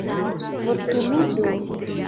vortludo